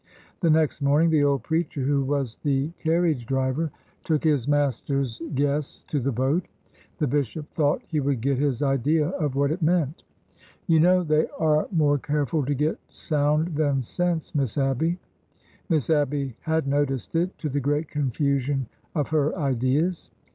The next morning the old preacher (who was the car riage driver) took his master's guests to the boat. The bishop thought he would get his idea of what it meant. THE LOOM HOUSE ACADEMY 91 You know they are more careful to get sound than sense, Miss Abby/' Miss Abby had noticed it, to the great confusion of her ideas.